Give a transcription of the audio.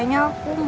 aku udah keluarin